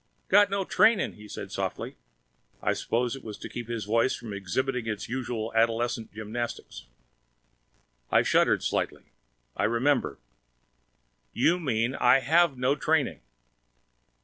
"Got no training," he said softly. (I supposed it was to keep his voice from exhibiting its usual adolescent gymnastics.) I shuddered slightly, I remember. "You mean, 'I have no training.'"